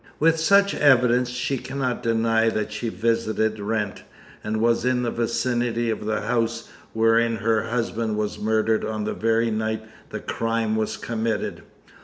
"With such evidence she cannot deny that she visited Wrent; and was in the vicinity of the house wherein her husband was murdered on the very night the crime was committed.